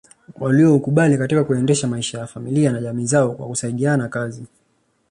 Walioukubali katika kuendesha maisha ya familia na jamii zao kwa kusaidiana kazi